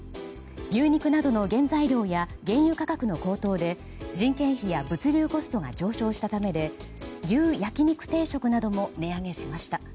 牛肉などの原材料や原油価格の高騰で人件費や物流コストが上昇したためで牛焼肉定食なども値上げしました。